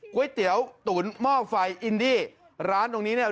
ก๋วยเตี๋ยวตุ๋นหม้อไฟอินดี้ร้านตรงนี้เนี่ย